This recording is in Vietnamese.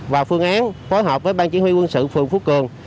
và phương án phối hợp với ban chỉ huy quân sự phường phú cường